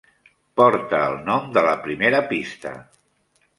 Porta el nom de la primera pista.